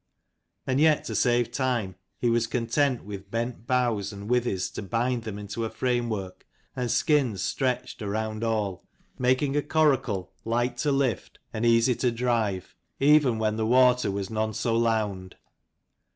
And yet to save time, he was content with bent boughs, and withys to bind them into a framework, and skins stretched around all : making a coracle light to lift and II 265 easy to drive, even when the water was none so lound.